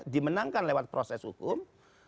dimenangkan lewat proses hukum